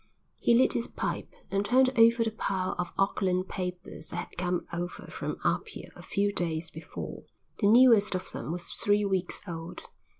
He lit his pipe and turned over the pile of Auckland papers that had come over from Apia a few days before. The newest of them was three weeks old.